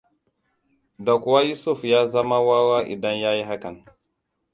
Da kuwa Yusuf ya zama wawa idan ya yi hakan.